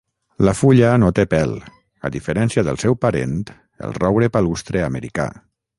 La fulla no té pèl, a diferència del seu parent el roure palustre americà.